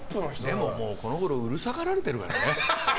でも、このごろうるさがられてるからね。